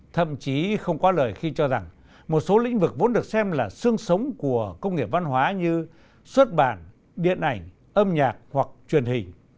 thậm chí không có lời khi cho rằng một số lĩnh vực vốn được xem là sương sống của công nghiệp văn hóa như xuất bản điện ảnh âm nhạc hoặc truyền hình